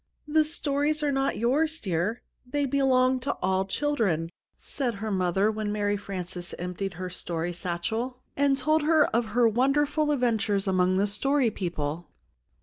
"The stories are not yours, dear; they belong to all children," said her mother, when Mary Frances emptied her story satchel, and told of her wonderful adventures among the Story People.